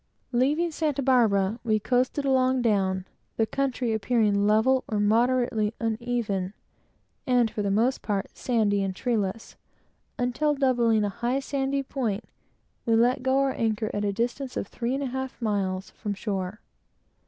Leaving Santa Barbara, we coasted along down, the country appearing level or moderately uneven, and, for the most part, sandy and treeless; until, doubling a high, sandy point, we let go our anchor at a distance of three or three and a half miles from shore.